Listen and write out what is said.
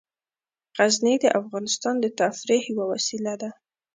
غزني د افغانانو د تفریح یوه وسیله ده.